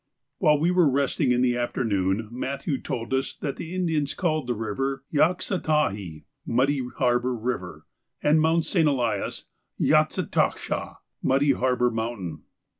While we were resting in the afternoon Matthew told us that the Indians called the river Yahkhtze tah heen (Muddy Harbour River), and Mount St. Elias Yahkhtze tah shah (Muddy Harbour Mountain).